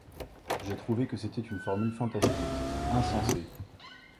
J'ai trouvé que c'était une formule fantastique, insensée.